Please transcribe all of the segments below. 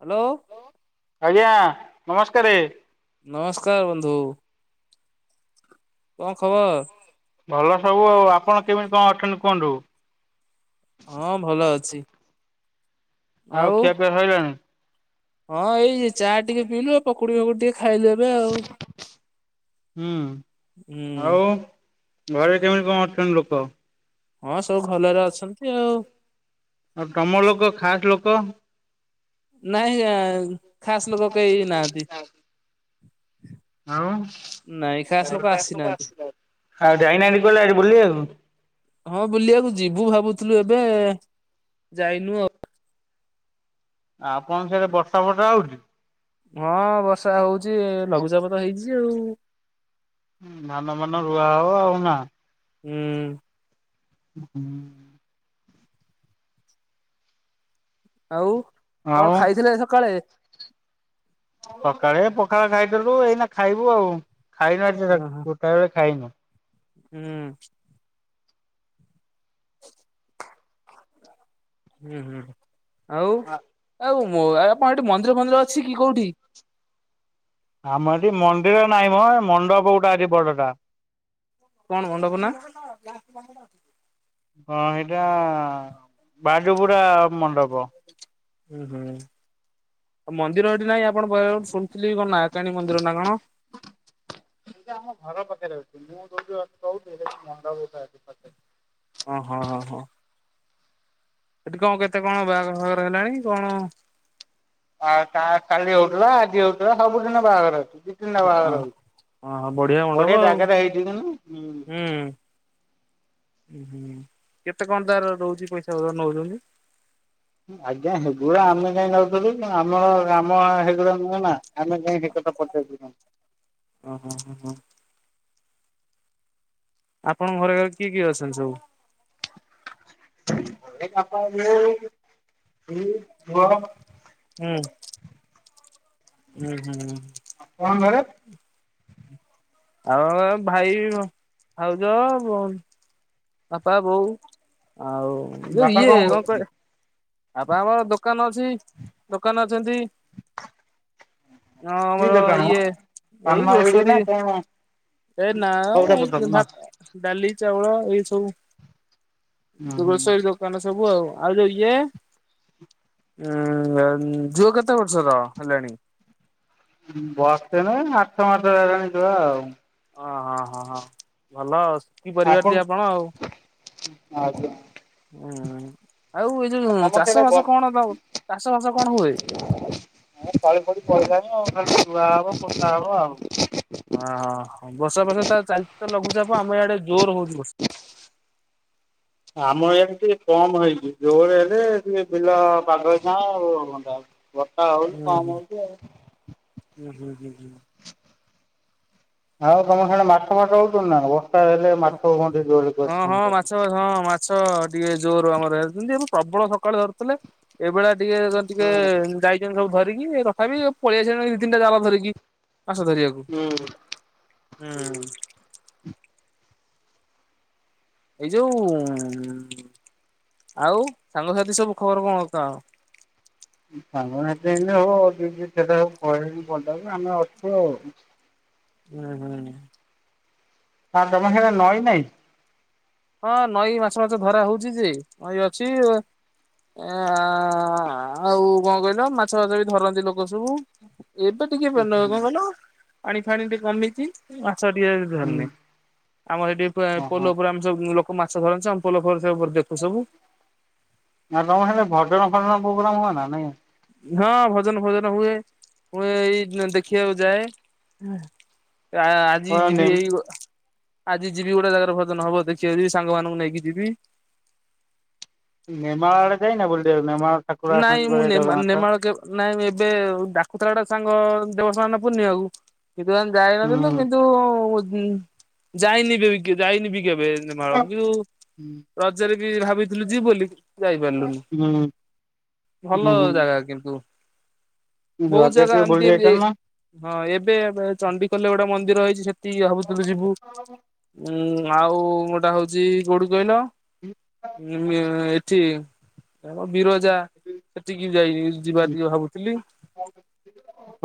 Hello. ଆଜ୍ଞା ନମସ୍କାର। ନମସ୍କାର ବନ୍ଧୁ। କଣ ଖବର? ଭଲ ସବୁ। ଆଉ ଆପଣ କେମିତି କଣ ଅଛନ୍ତି କୁହନ୍ତୁ? ହଁ ଭଲ ଅଛି। ଆଉ ଖିଆ ପିଆ ସଇଲାଣି? ହଁ ଏଇ ଚା ଟିକେ ପଇିଲୁ ଆ ପକୁଡି ଫକୁଡି ଟିକେ ଖାଇଲୁ ଏବେ ଆଉ। ହୁଁ ହୁଁ। ଆଉ ଘରେ କେମିତି କଣ ଅଛନ୍ତି ଲୋକ? ହଁ ସବୁ ଭଲରେ ଅଛନ୍ତି ଆଉ। ଆଉ ତମ ଲୋକ ଖାସ୍ ଲୋକ? ନାଇଁ ଖାସ ଲୋକ କେହି ନାହାନ୍ତି। ହଁ ଆଉ ନାଇଁ ଖାସ୍ ଲୋକ ଆସିନାହାନ୍ତି ଯାଇନାହାଁନ୍ତି ପ [unintelligible] ଗିଲ ଆ ବୁଲିବାକୁ। ହଁ ବୁଲିବାକୁ ଯିବୁ ଭାବୁଥିଲୁ ଏବେ ଯାଇନୁ ଆଉ। ଆପଣ ସେଆଡେ ବର୍ଷା ଫର୍ଷା ହେଉଛି? ହଁ ବର୍ଷା ହଉଛି ଲଘୁଚାପ ତ ହେଇଛି ଆଉ। ଧାନମାନ ରୁଆ ହେବ ଆଉ ନା? ହୁଁ। ହୁଁ। ଆଉ କଣ ଆଉ ଖାଇଥିଲେ ସକାଳେ? ସକାଳେ ପଖାଳ ଖାଇଥିଲୁ ଏଇନା ଖାଇବୁ ଆଉ। ଖାଇନୁ ଏ ହୁଁ ଗୋଟା ବେଳେ ଖାଇନୁ। ହୁଁ। ହୁଁ, ହୁଁ। ଆଉ ଆଉ ଆପଣ ଏଠି ମନ୍ଦିର ଫନ୍ଦିର ଅଛି କି କୋଉଠି? ଆମର ଏଠି ମନ୍ଦିର ନାହିଁ ମ, ମଣ୍ଡପ ଗୋଟା ଅଛି ବଡ଼ଟା। କଣ ମଣ୍ଡପ ନାଁ? କଣ ସେଇଟା ବାଜୁପୁରା ମଣ୍ଡପ। ହୁଁ, ହୁଁ। ଆଉ ମନ୍ଦିର ଏଠି ନାଇଁ ଆପଣ ବ ଶୁଣିଥିଲି କଣ ନାାୟାଣୀ ମନ୍ଦିର ନା କଣ? ଏଇଟା ଆମ ଘର ପାଖରେ ଅଛି ମୁଁ ଅ ରହୁଥିଲି ମଣ୍ଡ ପ ପାଖରେ। ହଁ ହଁ, ହିଁ, ହଁ। ସେଠି କଣ କେତେ କଣ ବାହାଘ ଫାଘର ହେଲାଣି କଣ? ଆଉ କା କାଲି ହଉଥିଲା ଆଜି ହଉଥିଲା ସବୁଦିନ ବାହାଘର ଅଛି। ଦି ତିନି ନା ବାଘର ହଁ ହଉଛି, ମଣ୍ଡପ ବଢିଆ ଆଉ ଜାଗାାରେ ହେଇଥିଲା ନା, ହୁଁ। ହୁଁ। ଉ ହୁଁ କେତେ କଣ ତାର ରହୁଛି ପଇସା ପତ୍ର ନଉଛନ୍ତି? ଆଜ୍ଞା ହେଗୁଡା ଆମେ କାହିଁ ଯାଉଥିଲୁୁ ଆମର କାମ ହେଗୁଡା ନା। ଆମେ ଯାଇଁ ହେକଥା ପଚାରୁଛୁ ତାଙ୍କୁ। ଓ ହୋଁ ହଁ ହଁ। ଆପଣଙ୍କ ଘରେ ଘରେ କିଏ କିଏ ଅଛନ୍ତି ସବୁ? ପ ମୁ [inaudible] ହୁଁ। ହୁଁ ହୁଁ। କଣ ଘରେ? ଆଉ ଆମର ଭାଇ ଭାଉଜ। ବାପା ବୋଉ, ଆଉ ଯୋଉ ବାପା ଇଏ କଣ କରୁଛନ୍ତି କହ ବାପା ଆମର ଦୋକାନ ଅଛି ଦୋକାନ ରେଅଛନ୍ତି। କି ହଁଆମର ଦୋକାନ ମ? ଇଏ ଏଇ ପାନ ବିଡି ନା ଗ୍ରୋସରୀ। କଣ ଏଇ ନାଁ ସଉଦା ପତ୍ର ଏଇ ନା? ଭାତ। ଡାଲି ଚାଉଳ ଏଇ ସବୁ ଗ୍ରୋସ ରି ଦୋକାନ। ଦୋକାନ ସବୁ ଆଉ ଆଉ ଯୋଉ ଇଏ ଉଁ ଝିଅ କେତେ ବର୍ଷର ହେଲାଣି? ବର୍ଷେ ନୁହେଁ ଆଠ ମାସ ହେଲାଣି ଛୁଆ ଆଉ। ଓ ହଁ ହଁ ହଁ ଭଲ ସୁଖିପରିବାର ଟେ ଆପଣ ଆଉ। ଆଜ୍ଞା। ହୁଁ ଆଉ ଏ ଯୋଉ ତମ ସେଇଟା ଚାଷ ଗଛ ବାସ କଣ ଚାଷ ବାସ କଣ ହୁଏ? ହୁଁ ତଳି ଫଳି ପଡିଲାଣି ଆଉ ଖାଲି ନୂଆ ହବ ପୋଦା ହବ ଆଉ। ଓହ ବର୍ଷା ବର୍ଷା ତ ଚାଲି ତ ଲଘୁଚାପ ଆମ ଇଆଡେ ଜୋର ହଉଛି ବର୍ଷା। ଆମ ଇଆ ଟିକେ କମ ହେଇଛି ଜୋରେ ହେଲେ ଟିକେ ବିଲ ପାଗଳ ଛାଁ ଆଉଣ୍ଡା ବଟା ହଉଛି ହୁଁ କମ ହଉଛି ଆଉ। ହୁଁ ହୁଁ ହୁଁ ହୁଁ? ଆଉ ତମେ ସେଣ ମାଛ ଫଟ ହଉଛ ନା ବସ୍ା ହେଲେ ମାଛ ଘଣ୍ଡି ଜ କରି ଆଛ ଟିକେ ଜୋରୁ ଆମର ହେରିଛନ୍ତି ଏ ପ୍ରବଳ ସକାଳୁ ଧରୁଥିଲେ ଏଇଭଳିଆ ଟିକେ ଜ ଟିକେ ହୁଁ ଯାଇଛନ୍ତି ସବୁ ଧରିକି ତଥାପି ପଳେଇଆସଛନ୍ତି ଦି ତିିଟା ଜାଲ ଧରିକି ମାସ ଧରିବାକୁ। ହୁଁ। ହୁଁ? ଏଇ ଯୋଉ ଆଉ ସାଙ୍ଗସାଥି ସବୁ ଖବର କଣ କ? ସା ଏତ ହବଉ ଦି ସେଟା ସବୁ କି ଆମେ ଅଛୁ ଆଉ। ହୁଁ ହୁଁ? ଆ ତମେ ସେରେ ନଈ ନାଇଁ। ହଁ ନଈ ମାଛ ମାଛ ଧରା ହଉଛି ଯେ ନଈ ଅଛି ଆ ଆଉ କଣ କହିଲ ମାଛ ଫାଛ ବି ଧରନ୍ତି ଲୋକ ସବୁ ଏବେ ଟିକେ ଭଲ କଣ କହିଲ ପାଣି ଫାଣି ଟିକେ କମେଇଛି ଆଛ ଟିକେ ହୁଁ ଧନି ଆମର ସେଠି ଓହୋ ପୋଲ ପୁରାମ ଲୋକ ମାଛ ଧରନ୍ତି ଆମପଲର ଦେଖୁ ସବୁ। ନାଁ ତମର ସେ ଭଜନ ଫଜନ ପୋଗ୍ରାମ୍ ହୁଏ ନା ନାଇଁ? ହଁ ଭଜନ ଫଜନ ହୁଏ ହୁଏ ଏଇ ଦେଖିବାକୁ ଯାଏ। ଜାଆ ଆଜି ହଁ ନେ ଯିବି ଏଇ ଆଜି ଯିବି ଗୋଟେ ଜାଗାର ଭଜନ ହବ ଦେଖିବା ଯିବି ସାଙ୍ଗମାନଙ୍କୁ ନେଇକି ଯିବି। ନେମାଳ ଆଡେ ଯାଇଁ ନ ବୋଲଦଉ ନେମାଳ୍? ନାଇଁ ମୁଁ ନେ ନେମାଳ କେ ନାଇଁ ଏବେ ଡାକୁଥିଲା ଗୋଟେ ସାଙ୍ଗ ଦେବସ୍ନାନ ପୂର୍ଣ୍ଣିମାକୁ। କିନ୍ତୁ ଆମେ ଯାଇନଥିଲୁ ହୁଁ। କିନ୍ତୁ ଯାଇନି ଯାଇନି ବି କେବେ। ନେମାଳ ଯୋଉଁ ରଜରେ ବି ଭାବିଥିଲୁ ଯିବୁ ବୋଲି। ଯାଇପାରିଲୁନି। ହୁଁ। ଭଲ ହୁଁ ଜାଗା କିନ୍ତୁ ହୁଁ ବହୁତ୍ ରଜରେ ଜାଗା ଟିକେ ଏମ୍ତି ବୁଲି ଏମ୍ତି ଯାଇଥାନ୍ତ ହେଇଚି। ହଁ ଏବେ ଚଣ୍ଡିଖୋଲଗୋଟେ ମନ୍ଦିର ହେଇଚି ସେଠି ଭାବୁଥିଲୁ ଯିବୁ ଉଁ ଆଉ ଗୋଟା ହୋଉଚି କୋଉଠି କହିଲ [inaudible] ଠିକ୍ ଆମ ବିରଜା ସେଠିକି ଯାଇନି ଯିବା ଟିକେ ଭାବୁଥିଲି।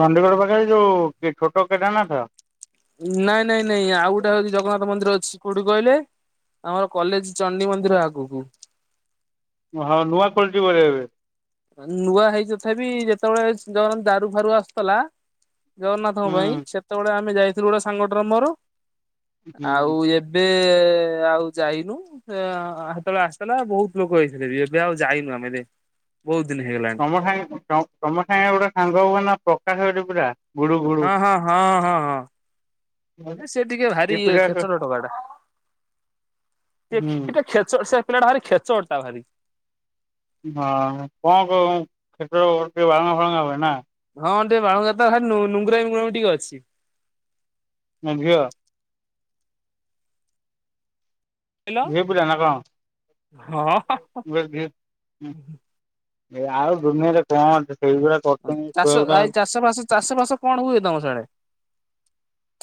ଚଣ୍ଡିଗଡ ପାଖରେ ଯୋଉଁ ଛୋଟ କେଦାରନାଥ? ନାଇଁ ନାଇଁ ନାଇଁ ଆଉ ଗୋଟେ ହୋଉଛି ଜଗନ୍ନାଥ ମନ୍ଦିର ଅଛି କୋଉଠି କହିଲେ? ଆମର କଲେଜ୍ ଚଣ୍ଡି ମନ୍ଦିର ଆଗକୁ। ହଁ ନୂଆ କ୍ୱାଟି ବୋଧେ ଏବେ? ନୂଆ ହେଇ ତଥାପି ଯେତେବେଳେ ଦର ଦାରୁ ଫାରୁ ଆସୁଥିଲା। ଜଗନ୍ନାଥଙ୍କ ହୁଁ ପାଇଁ ସେତେବେଳେ ଆମେ ଯାଇଥିଲୁ ଗୋଟେ ସାଙ୍ଗଟାର ମୋର ହୁଁ ଆଉ ଏବେ। ଏବେ ଆଉ ଯାଇନୁ। ଯେ ସେତେବେଳେ ଆସିଥିଲା ବହୁତ୍ ଲୋକ ହେଇଥିଲେ ବି ଏବେ ଆଉ ଯାଇନୁ ଆମେ। ବହୁତ୍ ଦିନ୍ ହେଗଲାଣି। ତମ ସାଙ୍ଗେ ତମ ସାଙ୍ଗେ ଗୋଟେ ସାଙ୍ଗ ହୁଅ ନା ପ୍ରକାଶ ହେ ପୁଲା। ହଁ -ହଁ -ହଁ- ହଁ- ହଁ। ସେ ଟିକେ ଏ ଭାରି ଇ ପିଲା ହୁଁ ଖେଚଢ ଟୋକା ଟା ଖେଚ ସେ ପିଲାଟା ଭାରି ଖେଚଡ ଟା ଭାରି। ହଁ କଣ କଣ କ୍ଷେତ୍ର ବାବୁ ଟିକେ ବାଳୁଙ୍ଗା ବାଳୁଙ୍ଗା ହୁଏ ନା। ହଁ ଟିକେ ବାଳୁଙ୍ଗାତ ଖାଲି ନୁ-ନୁ ନୁଙ୍ଗୁରାମି ଗୁଣ ଟିକେ ଅଛି। ହୁଁ ଝିଅ। କହିଲ ଝିଅ ପିଲା ନା କହ? ହଁ ଏ ଆଉ ଦୁନିଆରେ କଣ ଅଛି ସେଇଗୁଡା। କରୁଛନ୍ତି ଛୁଆ ଚାଷ ଗୁଡା ଆଉ। ଆଇ ଚାଷ ଫାସ ଚାଷ ଫାସ କଣ ହୁଏ ତମ ସେଆଡେ?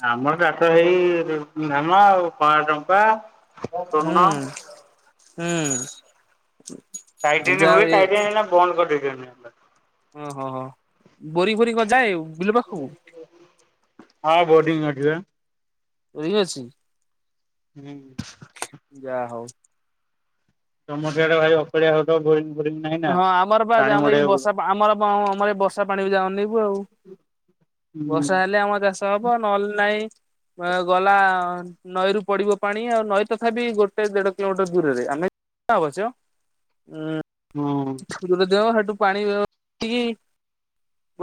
ଆମର ଚାଷ ସେଇ ଧାନ ଆଉ କଳା ଚମ୍ପା, ଶୋନ। ହୁଁ ହୁଁ। ଟାଟାଇନ୍ ଯା ହୁଏ ଏ ଟାଟାଇନ୍ ଏନା ବନ୍ଦ କରିଦେଇଚନ୍ତି। ଓହୋ ହୋ ବୋରି ଫୋରି କଣ ଯାଏ ବିଲ ପାଖକୁ। ହଁ ବୋରିଙ୍ଗ୍ ଅଛି ପା। ରିଙ୍ଗ୍ ଅଛି? ହୁଁ। ଯାହା ହଉ। ତମ ସେଆଡେ ଭାଇ ଅ [unintelligible] ହଁ ଆମର ବା, ଆମ ଏଇ ବର୍ଷା ଆମର ଆମ ଏଇ ବର୍ଷା ପାଣି କି ଅନେଇବୁ ଆଉ ବର୍ଷା ହେଲେ ଆମ ଚାଷ ହବ, ନହେଲେ ନାହିଁ ଗଲା। ନଈରୁ ପଡିବ ପାଣି ଆଉ ନଈ ତଥାପି ଗୋଟେ ଦେଢ କିଲୋମିଟର ଦୂରରେ, ଆମେ ଅବଶ୍ୟ ଉଁ ଉଁ ହୁଁ [unintelligible] ଦେ ସେଠୁ ପାଣିକି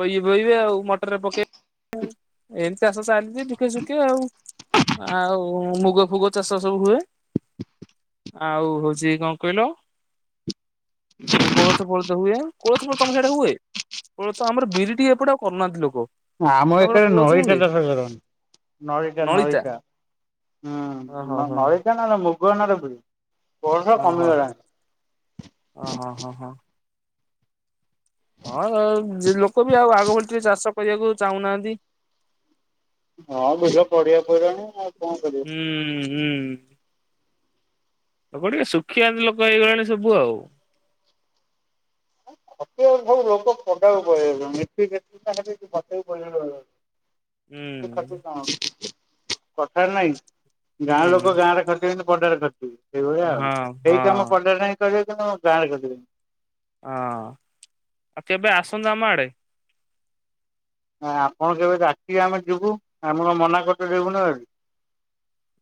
ବ ବୋଇବ ଆଉ ମ ପକେଇ ଏମିତି ଚାଷ ଚାଲିଛି ଦୁଖେ ସୁଖେ ଆଉ ଆଉ ମୁଗ ଫୁଗ ଚାଷ ସବୁ ହୁଏ। ଆଉ ହଉଛି କଣ କହିଲ? କୋଳଥୋଫୋଳଥ ହୁଏ, କୋଳଥ ଫୋଲଥ ତମ ସେଆଡେ ହୁଏ? କୋଳଥ ଆମର ବିରି ଟିକେ ଏପଟେ ଆଉ କରୁନାହାନ୍ତି ଲୋକ। ଆମ ତମର ଏଠାରେ କୋଳଥ ନଲିତା ହୁଏ ଚାଷ କରନ୍ତି, ନଳିତା ନଳିତା। ଓହୋ ହୁଁ ହୋ ନଳିକା ନା ମୁଗ ନ ହେଲେ ବିରି। ବର୍ଷା ଓ ହୋ କମିଗଲାଣି ଓ ହୋ ହ ହଁ ହଁ ଲୋକ ବି ଆଉ ଆଗଭଳି ଟିକେ ଚାଷ କରିବାକୁ ଚାହୁଁନାହାନ୍ତି। ହଁ, ବିଲ ପଡିଆ ପଇଲାଣି, ଆଉ କଣ କରିବି। ହୁଁ ହୁଁ। ଆ ଟିକେ ସୁଖିଆତି ଲୋକ ହେଇଗଲେଣି ସବୁ ଆଉ। ଖଟିବାକୁ ସବୁ ଲୋକ ପଦାକୁ ପଳେଇ ଯାଉଛନ୍ତି, ଏତେ ରେଷ୍ଟିକସନ [unintelligible] [inaudible] କଣ କଥା ରେ ନାଇଁ, ଗାଁ ହୁଁ ଲୋକ ଗାଁରେ ଖର୍ଚ୍ଚ ପଦାରେ ଖଟିବି, ସେଇଭଳିଆ ଆଉ। ହଁ ସେଇ କାମ ହଁ। ପଦାରେ ଯାଇକି କରିବ ପଛେ, କିନ୍ତୁ ଗାଁ ରେ କରିବନି। ହଁ ଆଉ କେବେ ଆସନ୍ତୁ ଆମ ଆଡେ। ଆପଣ କେବେ ଡାକିବେ ଆମେ ଯିବୁ, ଆମେ କଣ ମନା କରିବୁ ଯିବୁନି ବୋଲି।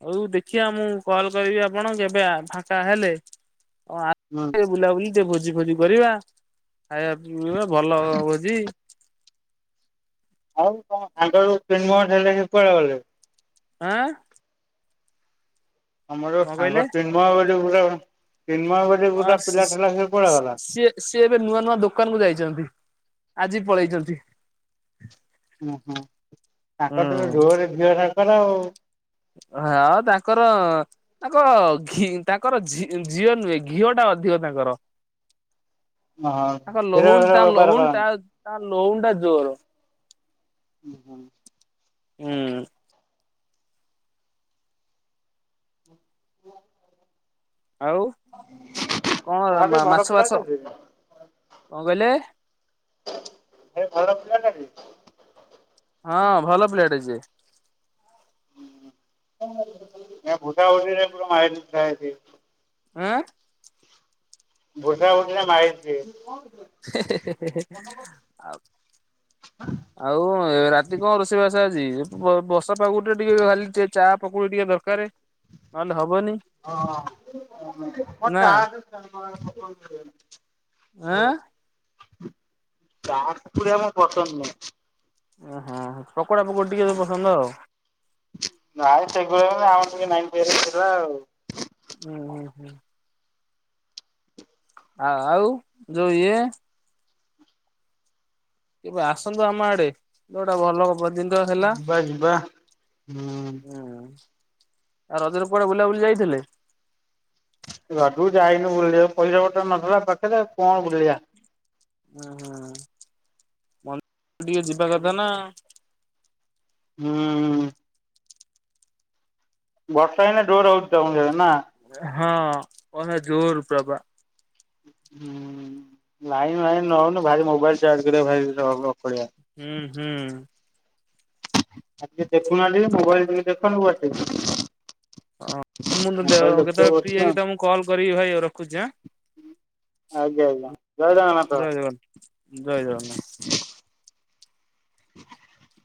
ହଉ ଦେଖିବା ମୁଁ କଲ କରିବି ଆପଣ କେବେ ଫାଙ୍କା ହେଲେ ଆ ହୁଁ ଉଁ ବୁଲାବୁଲି ଟିକେ ଭୋଜି ଫୋଜି କରିବା, ଖାଇବା ପିଇବା ଭଲ ଭୋଜି। ଆଉ କଣ ଆଗରୁ [unintelligible] ଆଁ ଆ ଆମର କଣ ସାଙ୍ଗ କହିଲେ ତିନିମୟ ବୋଲି ଗୋଟେ ତିନିମୟ ବୋଲି ଗୋଟେ ପିଲା ଥିଲା, ସେ କୁଆଡେ ଗଲା? ସି ଏବେ ନୂଆ ନୂଆ ଦୋକାନ କୁ ଯାଇଛନ୍ତି, ଆଜି ପଳେଇଛନ୍ତି। ହୁ ହୁଁ, ତାଙ୍କ ହୁଁ। [unintelligible] କର ଆଉ ହ ଆଉ ତାଙ୍କର ତାଙ୍କର ଘି ତାଙ୍କରଅ ଝିଅ ନୁହେ ଘିଅ ଟା ଅଧିକ ତାଙ୍କର। ହଁ ତାଙ୍କ କ୍ଷୀର ଲହୁଣ ଫିର ତା ବେପାର ଲହୁଣ ଟା ତା ଲହୁଣ ଟା ଜୋର। ହୁଁ ହୁଁ। ହୁଁ ଉଁ [unintelligible] ଆଉ କଣ ଭାବେ ଭଲ ମାଛ ପିଲାଟା ବାଛ, ଯେ କଣ କହିଲେ? ହେ ଭଲ ପିଲା ଟା ଯେ ହଁ ଭଲ ପିଲାଟି ସିଏ। [unintelligible] ଆଁ ଆ [unintelligible] ହେ ହେ ହେ ହେ ଆଉ [unintelligible] ଆଉ ରାତି କଣ ରୋଷେଇବାସ ଅଛି, ବର୍ଷା ପକୁଡି ଟେ ଟିକେ ଖାଲି ଟେ ଚା ପକୁଡି ଟିକେ ଦରକାର। [unintelligible] [unintelligible] ନହେଲେ ହବନି ଚାହା ନା ପୁଖୀ ଆମର ଆଁ ପସନ୍ଦ ନହିଁ ଓହୋ ପକୋଡା ପକୋଡା ଟିକେ ତ ପସନ୍ଦ ଆଉ ନାଇଁ ସେଗଳିଆ ଆମର ଟିକେ ନାଇ ଥିଲା ଆଉ ହୁଁ ହୁଁ ହୁଁ ହଁ ଆଉ ଯୋଇଏ କେବେ ଆସନ୍ତୁ ଆମ ଆଡେ ଯୋଉଟା ଭଲ କ ପବଦିନଙ୍କ ହେଲା ଯିବା ଯିବା ହୁଁ ହୁଁ ଆଉ ରଜର କୁଆଡେ଼ ବୁଲାବୁଲି ଯାଇଥିଲେ? ରଜଗୁ ଯାଇନି ବୁଲିବ ପଇସା ପତର ନଥିଲା ପାଖରେ କଣ ବୁଲିବା ଉୁଁ ହୁଁ ମନ୍ଦିର ଟିକେ ଯିବା କଥା ନା ହୁଁ ହୁଁ ବର୍ଷା ହେଇନ ଜୋର ହଉଛି କେଉଝର୍ ନା ହଁ ଓ ଜୋର ପ୍ରଭା ହୁଁ ଲାଇନ୍ ଫାଇନ୍ ନଉନି ଭାରି ମୋବାଇଲ ଚାର୍ଜ କରିବା ଭାରି ର ପଳଆ ହୁଁ ହୁଁ ଆଉ ଟିକେ ଦେଖୁନାହାନ୍ତି ମୋବାଇଲ ଟିକି ଦେଖନୁୁ ବସିକି ହଁ ମୁଁ ମୋବାଇଲ ଦେଖୁଥିବେ କେତେବେଳେ ଫ୍ରି ବସିକି ଆଉ ହେଇକି ତମକୁ କଲ୍ କରିବି ଭାଇ ରଖୁଛି ଆଁ ଆଜ୍ଞା ଆଜ୍ଞା ଜୟ ଜଗନ୍ନାଥ ଜୟ ଜଗନ୍ନାଥ ଜୟ ଜଗନ୍ନାଥ। [inaudible]